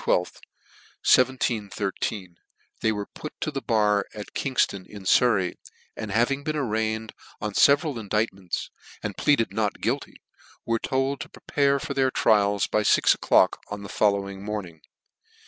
159 On the evening of the i2th of March 1713, they were put to the bar at Kingfton, in Surry, and having been arraigned on the feveral indict ments, and pleaded not guilty, were told to pre pare for their trials by fix o'clock on the follow ing morning.